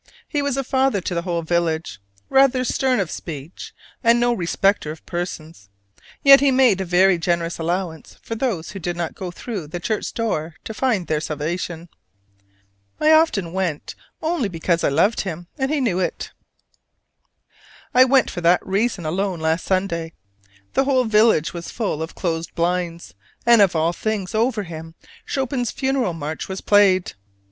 He was a father to the whole village, rather stern of speech, and no respecter of persons. Yet he made a very generous allowance for those who did not go through the church door to find their salvation. I often went only because I loved him: and he knew it. I went for that reason alone last Sunday. The whole village was full of closed blinds: and of all things over him Chopin's Funeral March was played!